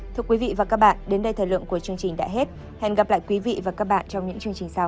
thưa quý vị và các bạn đến đây thời lượng của chương trình đã hết hẹn gặp lại quý vị và các bạn trong những chương trình sau